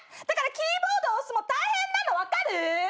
だからキーボード押すも大変なの分かる？